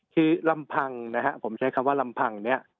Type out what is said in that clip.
คือลำพังนะฮะผมใช้คำว่าลำพังเนี่ย